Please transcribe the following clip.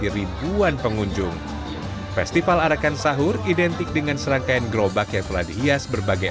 ribuan pengunjung festival arakan sahur identik dengan serangkaian gerobak yang telah dihias berbagai